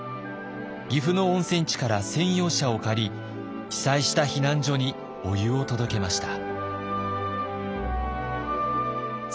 岐阜の温泉地から専用車を借り被災した避難所にお湯を届けました。